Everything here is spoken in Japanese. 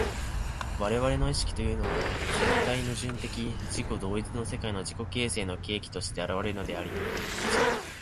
我々の意識というのは絶対矛盾的自己同一の世界の自己形成の契機として現れるのであり、